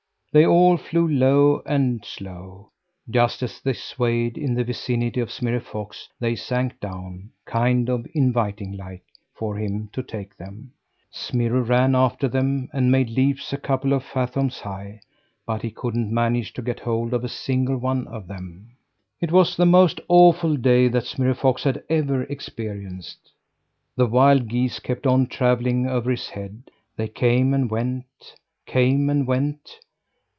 They all flew low and slow. Just as they swayed in the vicinity of Smirre Fox, they sank down kind of inviting like for him to take them. Smirre ran after them and made leaps a couple of fathoms high but he couldn't manage to get hold of a single one of them. It was the most awful day that Smirre Fox had ever experienced. The wild geese kept on travelling over his head. They came and went came and went.